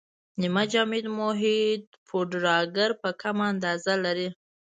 نیمه جامد محیط پوډراګر په کمه اندازه لري.